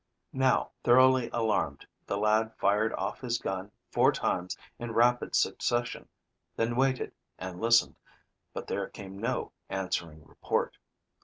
Now thoroughly alarmed, the lad fired off his gun four times in rapid succession, then waited and listened, but there came no answering report.